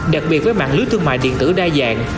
đặc biệt với mạng lưới thương mại điện tử đa dạng